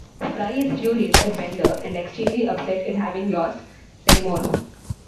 Fry is furious at Bender and extremely upset at having lost Seymour.